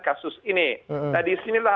kasus ini nah disinilah